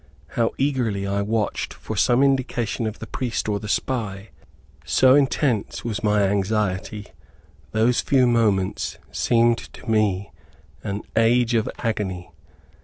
how eagerly I watched for some indication of the priest or the spy! So intense was my anxiety, those few moments seemed to me an age of agony.